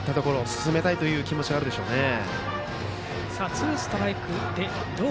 進めたいという気持ちがあるでしょうね。